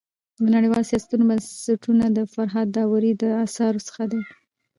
د نړيوال سیاست بنسټونه د فرهاد داوري د اثارو څخه دی.